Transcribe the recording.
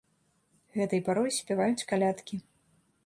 Гэтай парой спяваюць калядкі.